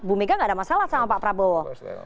bu mega gak ada masalah sama pak prabowo